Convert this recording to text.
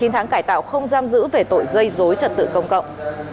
chín tháng cải tạo không giam giữ về tội gây dối trật tự công cộng